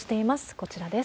こちらです。